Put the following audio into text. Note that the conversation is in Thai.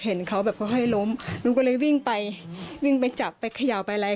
เห็นเขาแบบค่อยล้มหนูก็เลยวิ่งไปวิ่งไปจับไปเขย่าไปอะไร